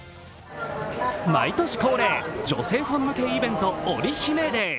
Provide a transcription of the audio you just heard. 毎年恒例、女性ファン向けイベント、オリ姫デー。